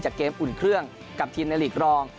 เกมอุ่นเครื่องกับทีมในหลีกรอง